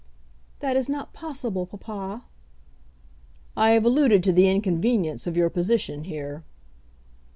"That is not possible, papa." "I have alluded to the inconvenience of your position here."